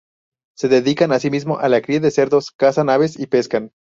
Se dedican asimismo a la cría de cerdos, cazan aves y pescan.